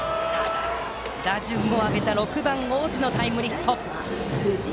打順を上げた６番、大路のタイムリーヒット。